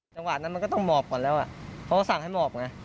จังหวะนั้นมันก็ต้องหมอบก่อนแล้วเขาก็สั่งให้หมอบไง